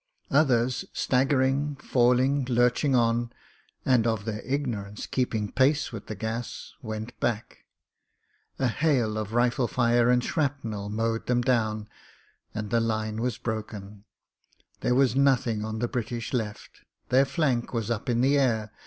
Others, staggering, falling, lurching on, and of their ignorance keeping pace with the gas, went back. A hail of rifle fire and shrapnel mowed them down, and the line was broken. There was nothing on the British left — ^their flank was up in the air.